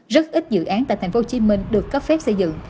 rất ít dự án tại tp hcm được cấp phép xây dựng